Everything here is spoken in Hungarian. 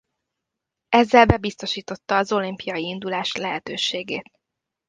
Ezzel bebiztosította az olimpiai indulás lehetőségét.